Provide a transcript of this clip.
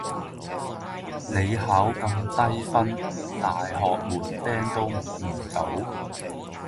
你考咁低分，大学门钉都摸唔到